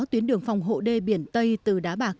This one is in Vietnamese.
tuyến đường phòng hộ đê biển tây từ đá bạc